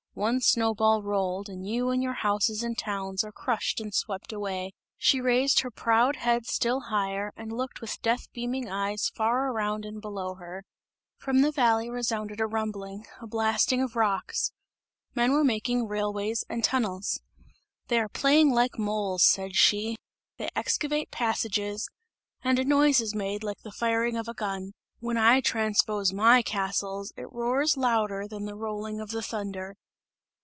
One snow ball rolled and you and your houses and towns are crushed and swept away!" She raised her proud head still higher and looked with death beaming eyes far around and below her. From the valley resounded a rumbling, a blasting of rocks, men were making railways and tunnels. "They are playing like moles," said she, "they excavate passages, and a noise is made like the firing of a gun. When I transpose my castles, it roars louder than the rolling of the thunder!"